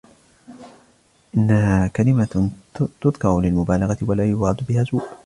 أَنَّهَا كَلِمَةٌ تُذْكَرُ لِلْمُبَالَغَةِ وَلَا يُرَادُ بِهَا سُوءٌ